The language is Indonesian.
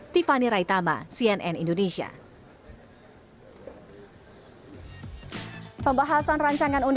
tiffany raitama cnn indonesia